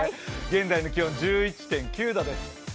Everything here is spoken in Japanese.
現在の気温、１１．９度です。